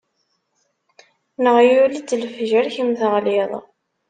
Neɣ yuli-d lefjer kemm teɣliḍ.